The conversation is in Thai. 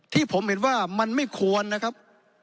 ที่ผมเห็นว่ามันไม่ควรนะครับ